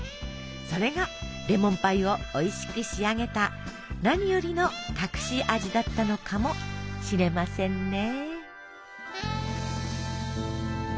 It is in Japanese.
それがレモンパイをおいしく仕上げた何よりの隠し味だったのかもしれませんね。